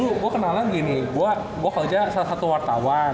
lu gue kenalan gini gue kerja salah satu wartawan